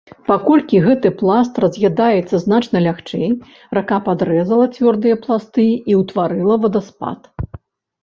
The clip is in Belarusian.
Паколькі гэты пласт раз'ядаецца значна лягчэй, рака падрэзала цвёрдыя пласты і ўтварыла вадаспад.